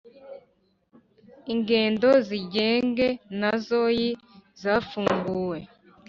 Ingendo zindege nazoi zafunguwe